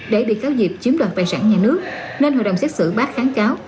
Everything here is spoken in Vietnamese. để bị cáo diệp chiếm đoạt tài sản nhà nước nên hội đồng xét xử bác kháng cáo